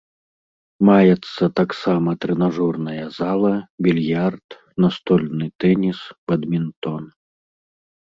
Маецца таксама трэнажорная зала, більярд, настольны тэніс, бадмінтон.